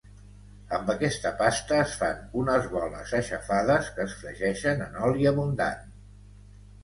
Amb aquesta pasta es fan unes boles aixafades que es fregeixen en oli abundant.